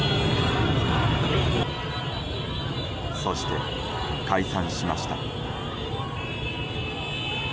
そして、解散しました。